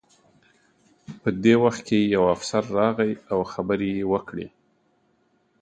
په دې وخت کې یو افسر راغی او خبرې یې وکړې